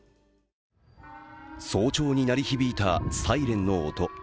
早朝に鳴り響いたサイレンの音。